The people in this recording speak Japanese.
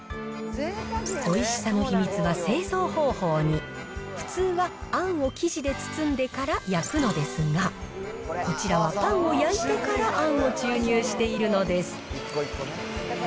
おいしさの秘密は製造方法に、普通はあんを生地で包んでから焼くのですが、こちらはパンを焼いてからあんを注入しているのです。